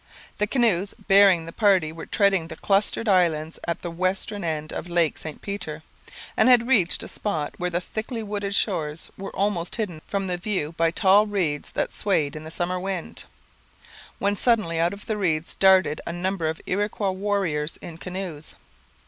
The canoes bearing the party were threading the clustered islands at the western end of Lake St Peter, and had reached a spot where the thickly wooded shores were almost hidden from view by tall reeds that swayed in the summer wind, when suddenly out of the reeds darted a number of Iroquois warriors in canoes.